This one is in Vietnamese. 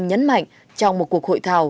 nhấn mạnh trong một cuộc hội thảo